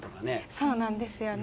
そうなんですよね。